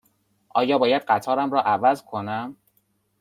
آیا باید قطارم را عوض کنم؟